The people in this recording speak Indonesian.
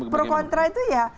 pro kontra itu ya